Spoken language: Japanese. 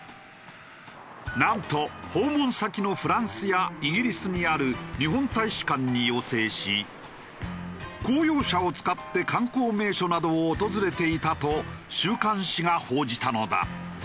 なんと訪問先のフランスやイギリスにある日本大使館に要請し公用車を使って観光名所などを訪れていたと週刊誌が報じたのだ。